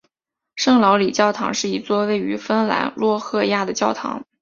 圣劳里教堂是一座位于芬兰洛赫亚的教堂。